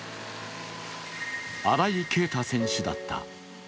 新井恵匠選手だった。